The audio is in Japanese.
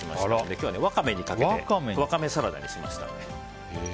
今日はワカメにかけてワカメサラダにしました。